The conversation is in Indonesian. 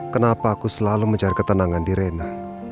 kenapa aku selalu mencari ketenangan di rena